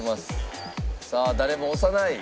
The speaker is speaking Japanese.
さあ誰も押さない。